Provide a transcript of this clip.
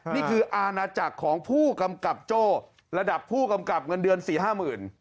นี่คืออาณาจักรของผู้กำกับโจ้ระดับผู้กำกับเงินเดือน๔๕๐๐๐บาท